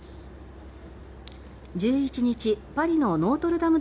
１１日パリのノートルダム